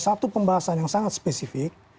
satu pembahasan yang sangat spesifik